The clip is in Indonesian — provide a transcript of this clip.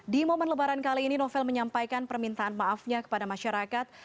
di momen lebaran kali ini novel menyampaikan permintaan maafnya kepada masyarakat